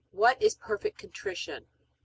What is perfect contrition? A.